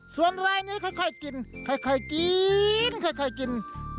ส่วนรายนี้ค่อยกินค่อยกินค่อยกิน